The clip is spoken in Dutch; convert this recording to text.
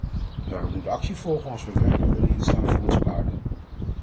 Daarop moet actie volgen als we werkelijk willen instaan voor onze waarden.